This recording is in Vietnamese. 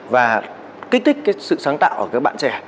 và kích thích cái sự sáng tạo ở các bạn trẻ